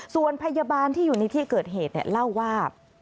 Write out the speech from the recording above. ส่วนพยาบาลที่อยู่ในที่เกิดเหตุเล่าว่า